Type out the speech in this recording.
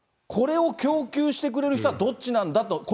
これを供給してくれる人はどっちなんだと。